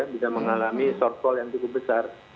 bisa mengalami shortfall yang cukup besar